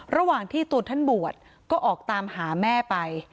ระหว่างที่ตัวท่านบวชก็ออกตามหาแม่ไป